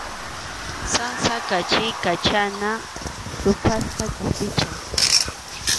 Sansa qachiykachana ruphasqa kʼaspicha.